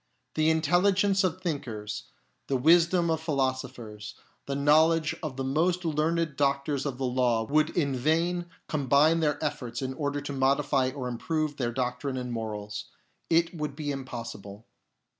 The intelligence of thinkers, the wisdom of philosophers, the know ledge of the most learned doctors of the law would in vain combine their efforts in order to modify or improve their doctrine and morals ; it would be impossible.